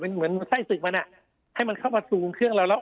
เหมือนไส้ศึกมันให้มันเข้ามาสู่เครื่องเราแล้ว